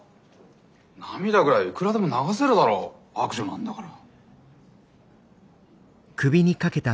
涙ぐらいいくらでも流せるだろ悪女なんだから。